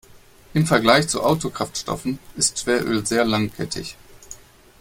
Im Vergleich zu Autokraftstoffen ist Schweröl sehr langkettig.